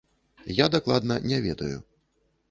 Я дакладна не ведаю.